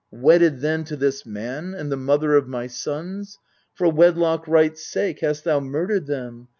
Wedded then To this man, and the mother of my sons, For wedlock right's sake hast thou murdered them.